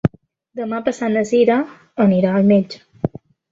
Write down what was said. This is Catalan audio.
Demà passat na Sira irà al metge.